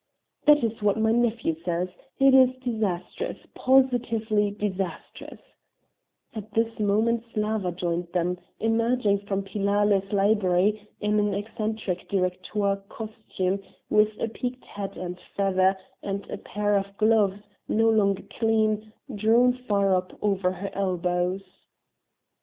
"That is what my nephew says it is disastrous, positively disastrous," At this moment Slawa joined them, emerging from Piale's library, in an eccentric directoire costume, with a peaked hat and feather, and a pair of gloves, no longer clean, drawn far up over her elbows.